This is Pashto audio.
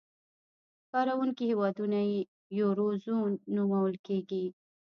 کاروونکي هېوادونه یې یورو زون نومول کېږي.